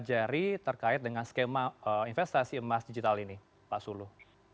apa yang bisa kita pelajari terkait dengan skema investasi emas digital ini pak sulu